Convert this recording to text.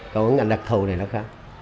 còn ngành đặc thù này nó khác